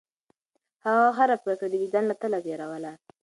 هغه هره پرېکړه د وجدان له تله تېروله.